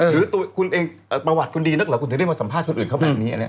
หรือตัวคุณเองประวัติคุณดีนักเหรอคุณถึงได้มาสัมภาษณ์คนอื่นเขาแบบนี้อันนี้